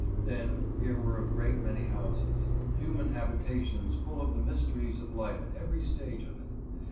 Then here were a great many houses, human habitations full of the mysteries of life at every stage of it.